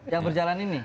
yang berjalan ini